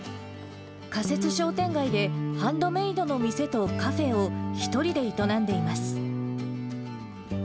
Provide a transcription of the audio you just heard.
仮設商店街で、ハンドメードの店とカフェを一人で営んでいます。